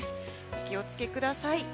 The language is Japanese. お気を付けください。